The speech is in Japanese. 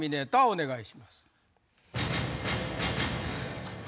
お願いします。